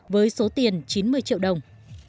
với số tiền chín mươi triệu đồng